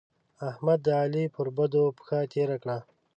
احمد؛ د علي پر بدو پښه تېره کړه.